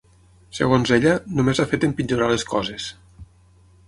Segons ella, només ha fet empitjorar les coses.